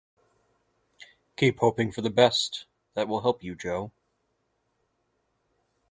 Keep hoping for the best; that will help you, Jo.